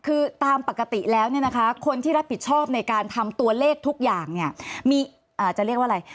คือตามปกติแล้วเนี่ยนะคะคนที่รับผิดชอบในการทำตัวเลขทุกอย่างเนี่ย